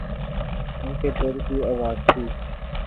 ان کے دل کی آواز تھی۔